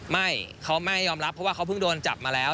ไม่เขาไม่ยอมรับเพราะว่าเขาเพิ่งโดนจับมาแล้ว